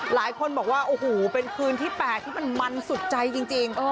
หลายคนบอกว่าโอ้โหเป็นคืนที่๘ที่มันมันสุดใจจริง